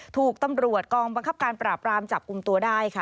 ถูกตำรวจกองบังคับการปราบรามจับกลุ่มตัวได้ค่ะ